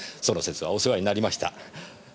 その節はお世話になりました。